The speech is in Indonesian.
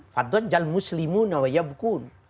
faduha jal muslimu nawaya bukun